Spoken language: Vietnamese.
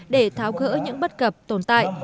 để tháo gỡ những bất cập tồn tại